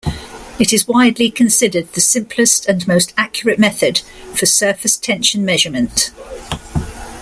It is widely considered the simplest and most accurate method for surface tension measurement.